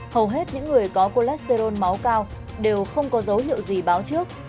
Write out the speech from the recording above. hầu hết những người có cholesterol máu cao đều không có dấu hiệu gì báo trước